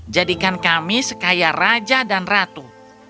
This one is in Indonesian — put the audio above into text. jadikan kami sekaya raja dan ratu